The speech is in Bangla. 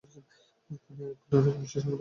তিনি আইয়ুব খানের একনিষ্ঠ সমর্থক ছিলেন।